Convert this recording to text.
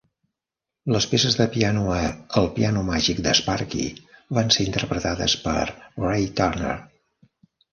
Les peces de piano a "El Piano Màgic d'Sparky" van ser interpretades per Ray Turner.